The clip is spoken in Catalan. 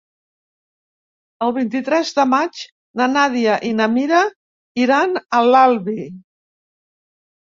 El vint-i-tres de maig na Nàdia i na Mira iran a l'Albi.